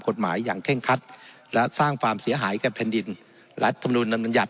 กฎหมายอย่างเข้งคัดและสร้างความเสียหายแค่แผ่นดินและสมดุลนำนันหยัด